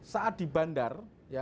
saat di bandar